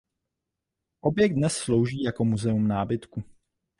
Objekt dnes slouží jako muzeum nábytku.